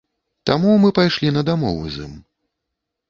Таму мы пайшлі на дамову з ім.